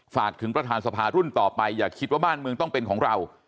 ฝากถึงประธานสภารุ่นต่อไปอย่าคิดว่าบ้านเมืองต้องเป็นของเรา